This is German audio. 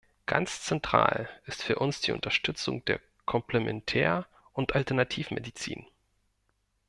Ganz zentral ist für uns die Unterstützung der Komplementär- und Alternativmedizin.